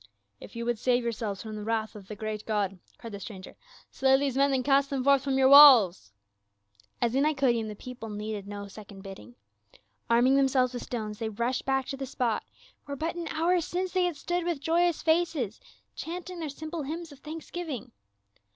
" If ye would save yourselves from the wrath of the great God," cried the stranger, "slay these men and cast them forth from your walls !" As in Iconium the people needed no second bidding ; arming themselves with stones, they rushed back to the spot where but an hour since they had stood with joyous faces, chanting their simple hymns of thanks giving.